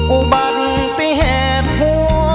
อุบันติเหตุหัวหัวใจหุกรณี